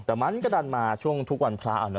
แต่มันก็ดันมาช่วงทุกวันพระอันหรือ